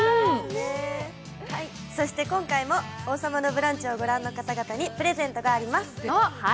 今回も「王様のブランチ」をご覧の方々にプレゼントがあります。